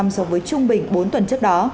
so với trung bình bốn tuần trước đó